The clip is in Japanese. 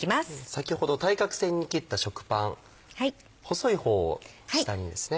先ほど対角線に切った食パン細い方を下にですね。